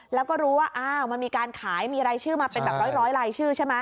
แล้วก็รู้ว่าอ้าวมันมีการขายมีรายชื่อมาเป็นแบบร้อยลายชื่อใช่ไหม